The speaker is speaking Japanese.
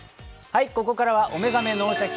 ここからは「お目覚め脳シャキ！